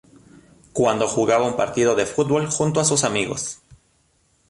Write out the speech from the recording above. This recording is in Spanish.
Cuando jugaba un partido de fútbol junto a sus amigos.